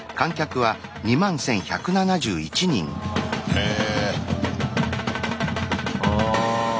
へえ。